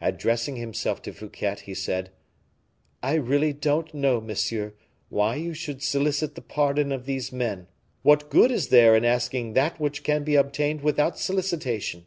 Addressing himself to Fouquet, he said, "I really don't know, monsieur, why you should solicit the pardon of these men. What good is there in asking that which can be obtained without solicitation?"